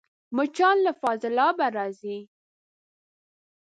مچان له فاضلابه راځي